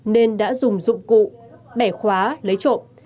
nên đã dùng dụng cụ bẻ khóa lấy trộm